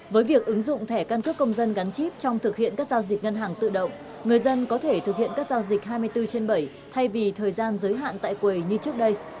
với việc ứng dụng thẻ căn cước công dân gắn chip trong thực hiện các giao dịch ngân hàng tự động người dân có thể thực hiện các giao dịch hai mươi bốn trên bảy thay vì thời gian giới hạn tại quầy như trước đây